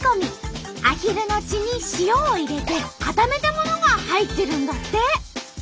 アヒルの血に塩を入れて固めたものが入ってるんだって。